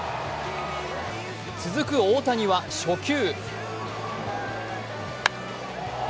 続く大谷は初球。